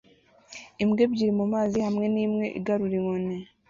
Imbwa ebyiri mumazi hamwe nimwe igarura inkoni